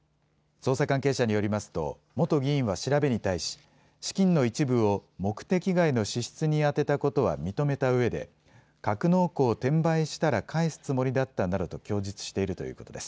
捜査関係者によりますと元議員は調べに対し資金の一部を目的外の支出に充てたことは認めたうえで格納庫を転売したら返すつもりだったなどと供述しているということです。